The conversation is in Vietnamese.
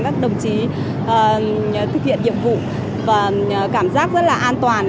các đồng chí thực hiện nhiệm vụ và cảm giác rất là an toàn